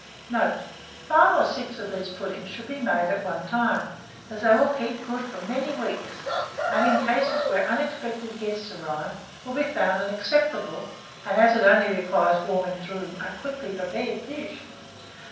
Note. Five or six of these puddings should be made at one time, as they will keep good for many weeks, and in cases where unexpected guests arrive, will be found an acceptable, and, as it only requires warming through, a quickly prepared dish.